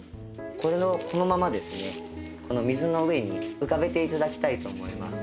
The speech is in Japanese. このままですね水の上に浮かべて頂きたいと思います。